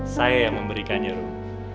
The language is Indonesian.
saya yang memberikan nyuruh